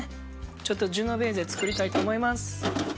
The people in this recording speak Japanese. ちょっとジェノベーゼ作りたいと思います。